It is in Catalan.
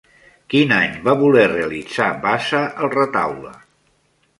Quin any va voler realitzar Bassa el retaule?